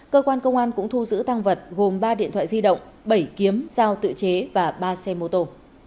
cơ quan công an cũng thu giữ tăng vật gồm ba điện thoại di động bảy kiếm giao tự chế và ba xe mô tô